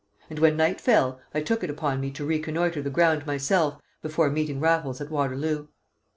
And when night fell I took it upon me to reconnoitre the ground myself before meeting Raffles at Waterloo.